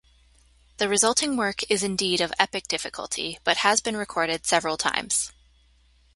The resulting work is indeed of epic difficulty, but has been recorded several times.